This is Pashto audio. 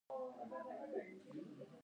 یعنې ووایو چې هغه یو انسان دی.